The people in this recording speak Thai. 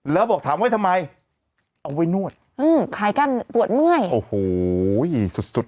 แล้วบอกถามไว้ทำไมเอาไว้นวดอืมขายแก้มปวดเมื่อยโอ้โหสุดสุด